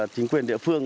chính quyền địa phương